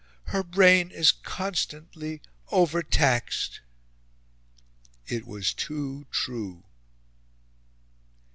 Her brain is constantly overtaxed." It was too true.